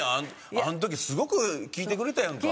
あの時すごく聞いてくれたやんか。